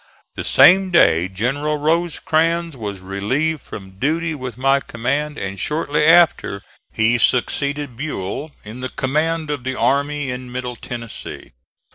The same day General Rosecrans was relieved from duty with my command, and shortly after he succeeded Buell in the command of the army in Middle Tennessee.